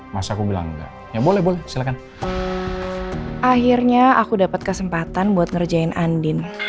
masa aku bilang enggak ya boleh boleh silakan akhirnya aku dapat kesempatan buat ngerjain andin